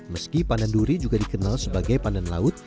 meski pandan duri juga dikenal sebagai pandan laut